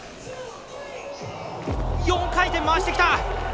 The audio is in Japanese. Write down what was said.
４回転回してきた！